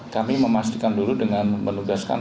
kami memastikan dulu dengan menugaskan